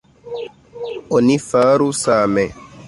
Oni faru same.